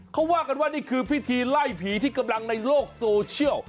เขาว่ากันว่านี่คือพิธีไล่ผีที่กำลังในโลกโซเชียล